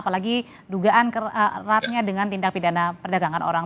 apalagi dugaan eratnya dengan tindak pidana perdagangan orang